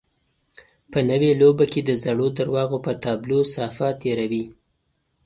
په نوې لوبه کې د زړو درواغو پر تابلو صافه تېروي.